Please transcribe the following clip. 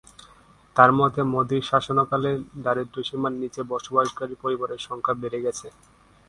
তার মতে মোদীর শাসনকালে দারিদ্র্য সীমার নিচে বসবাসকারী পরিবারের সংখ্যা বেড়ে গেছে।